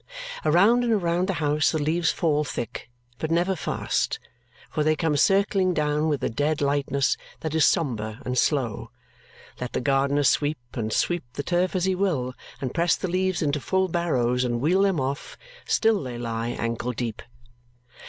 Around and around the house the leaves fall thick, but never fast, for they come circling down with a dead lightness that is sombre and slow. Let the gardener sweep and sweep the turf as he will, and press the leaves into full barrows, and wheel them off, still they lie ankle deep.